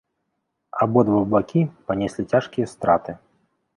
Абодва бакі панеслі цяжкія страты.